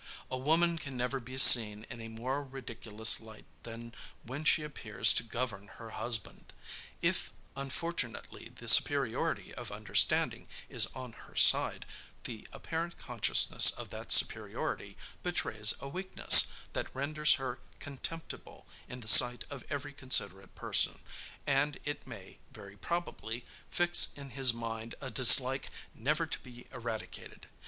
"A woman can never be seen in a more ridiculous light than when she appears to govern her husband. If, unfortunately, the superiority of understanding is on her side, the apparent consciousness of that superiority betrays a weakness, that renders her contemptible in the sight of every considerate person, and it may, very probably, fix in his mind a dislike never to be eradicated.